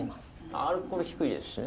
アルコール低いですしね。